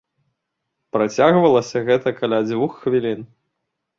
Працягвалася гэта каля дзвюх хвілін.